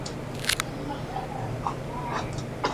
Nótese que Java no usa punteros.